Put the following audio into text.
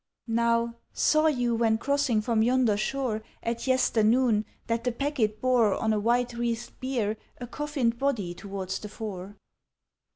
... "Now, saw you when crossing from yonder shore At yesternoon, that the packet bore On a white wreathed bier A coffined body towards the fore?